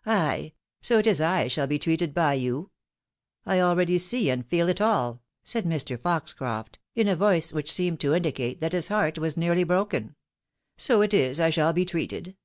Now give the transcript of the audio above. " Ay — so it is I shall be treated by you ! I abeady see, and feel it all," said Mr. Foxcroft, in a voice which seemed to indi cate that his heart was nearly broken. " So it is I shall be treated